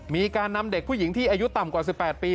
มีการนำเด็กผู้หญิงที่อายุต่ำกว่า๑๘ปี